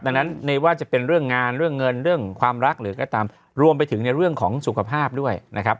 ดังนั้นไม่ว่าจะเป็นเรื่องงานเรื่องเงินเรื่องความรักหรือก็ตามรวมไปถึงในเรื่องของสุขภาพด้วยนะครับ